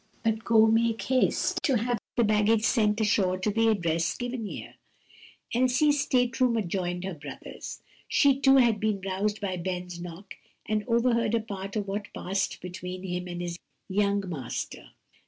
"But go, make haste to have the baggage sent ashore to the address given here." Elsie's state room adjoined her brother's. She too had been roused by Ben's knock and overheard a part of what passed between him and his young master.